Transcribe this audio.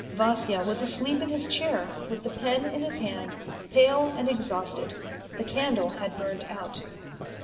Vasya was asleep in his chair with the pen in his hand, pale and exhausted ; the candle had burnt out.